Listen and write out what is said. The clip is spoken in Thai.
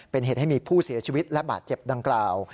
เป็นเหตุให้มีผู้เสียชีวิตและบาดเจ็บดังกล่าว